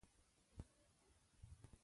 بالغو کسانو کې د تاوتریخوالي سختې نښې هم وې.